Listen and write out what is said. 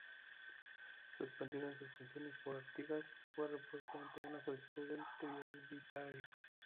Suspendido en sus funciones por Artigas, fue repuesto ante una solicitud del Triunvirato.